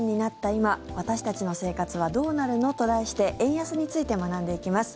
今私たちの生活はどうなるの？と題して円安について学んでいきます。